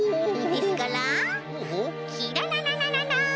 ですからキララララララン。